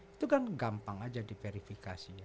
itu kan gampang aja di verifikasi ya